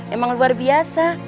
emang luar biasa